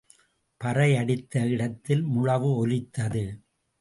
பறை அடித்த இடத்தில் முழவு ஒலித்தது.